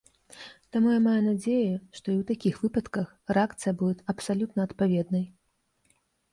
Таму я маю надзею, што і ў такіх выпадках рэакцыя будзе абсалютна адпаведнай.